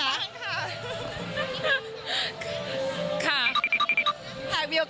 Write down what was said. หากมีโอกาสสักครั้งหนึ่งในชีวิตปาร์ตี้สุดจินตนาการของโสเรียคือ